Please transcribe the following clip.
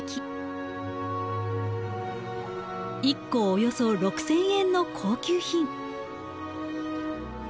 １個およそ６０００円の高級品。